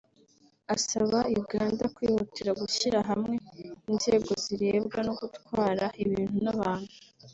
asaba Uganda kwihutira gushyira hamwe inzego zirebwa no gutwara ibintu n’abantu